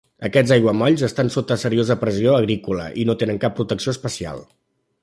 Aquests aiguamolls estan sota seriosa pressió agrícola i no tenen cap protecció especial.